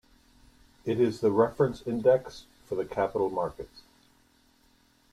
It is the reference index for the capital markets.